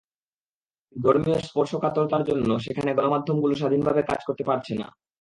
কিন্তু ধর্মীয় স্পর্শকাতরতার জন্য সেখানে গণমাধ্যমগুলো স্বাধীনভাবে কাজ করতে পারছে না।